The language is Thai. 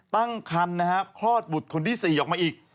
ตั้งคันนะฮะคลอดบุตรคนที่๔ออกมาอีก